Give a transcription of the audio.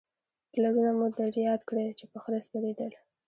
پلرونه مو در یاد کړئ چې په خره سپرېدل